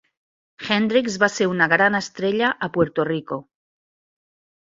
Hendricks va ser una gran estrella a Puerto Rico.